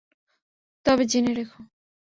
তবে জেনে রেখ।